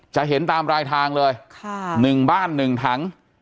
จะเห็นตามรายทางเลย๑บ้าน๑ถัง